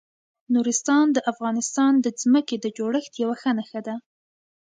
نورستان د افغانستان د ځمکې د جوړښت یوه ښه نښه ده.